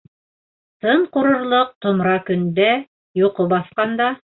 Тын ҡурырлыҡ томра көндә, Йоҡо баҫҡанда